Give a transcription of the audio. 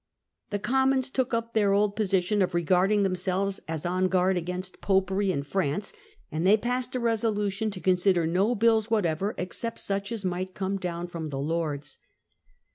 The Commons took up their old position of regarding themselves as on guard against Popery and France, and they passed a resolution to consider no bills whatever except such as might come down from the Lords.